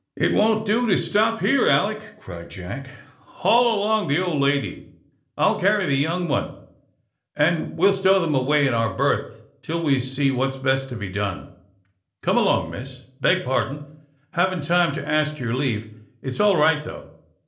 "It won't do to stop here, Alick," cried Jack. "Haul along the old lady, I'll carry the young one; and we'll stow them away in our berth till we see what's best to be done. Come along, miss. Beg pardon hadn't time to ask your leave; it's all right, though."